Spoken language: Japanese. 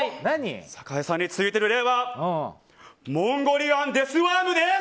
酒井さんについている霊はモンゴリアンデスワームです！